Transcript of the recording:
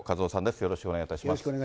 よろしくお願いします。